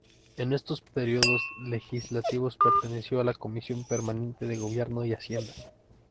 En estos períodos legislativos perteneció a la Comisión permanente de Gobierno y Hacienda.